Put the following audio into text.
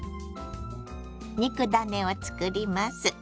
肉ダネを作ります。